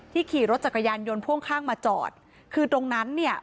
ขี่รถจักรยานยนต์พ่วงข้างมาจอดคือตรงนั้นเนี่ย